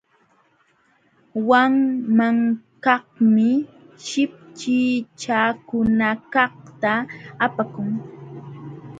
Wanmankaqmi chipchichakunakaqta apakun.